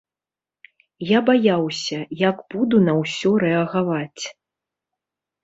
Я баяўся, як буду на ўсё рэагаваць.